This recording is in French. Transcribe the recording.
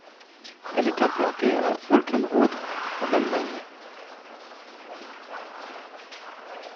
Elle est implantée à Völkenrode en Allemagne.